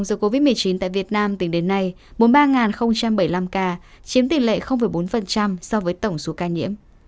tổng số ca tử vong do covid một mươi chín tại việt nam tính đến nay bốn mươi ba bảy mươi năm ca chiếm tỷ lệ bốn so với tổng số ca nhiễm